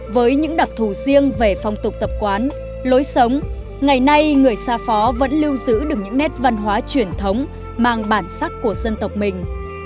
với những đặc thù riêng về phong tục tập quán lối sống ngày nay người xa phó vẫn lưu giữ được những nét văn hóa truyền thống mang bản sắc của dân tộc mình